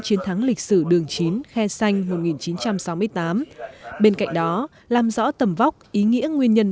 chiến thắng lịch sử đường chín khe xanh một nghìn chín trăm sáu mươi tám bên cạnh đó làm rõ tầm vóc ý nghĩa nguyên nhân